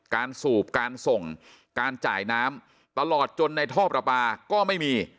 สูบการส่งการจ่ายน้ำตลอดจนในท่อประปาก็ไม่มี